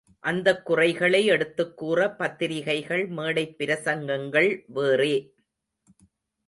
அந்தக் குறைகளை எடுத்துக் கூற பத்திரிகைகள், மேடைப் பிரசங்கங்கள் வேறே.